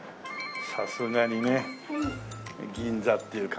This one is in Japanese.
さすがにね銀座っていう感じでね。